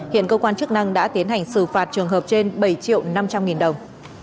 hiện cơ quan chức năng đã tiến hành xử phạt trường hợp trên bảy triệu năm trăm linh nghìn đồng